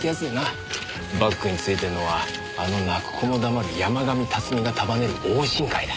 バックについてるのはあの泣く子も黙る山神辰巳が束ねる桜心会だ。